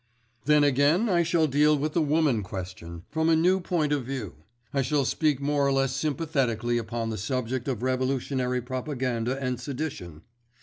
"Then again I shall deal with the Woman Question, from a new point of view. I shall speak more or less sympathetically upon the subject of revolutionary propaganda and sedition.